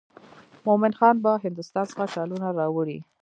مومن خان به هندوستان څخه شالونه راوړي.